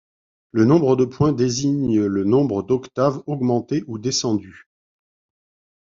Le nombre de points désigne le nombre d'octaves augmentées ou descendues.